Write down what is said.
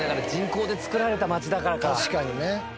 確かにね。